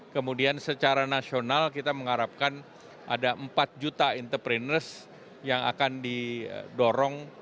kemudian secara nasional kita mengharapkan ada empat juta entrepreneurs yang akan didorong